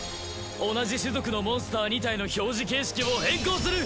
同じ種族のモンスター２体の表示形式を変更する！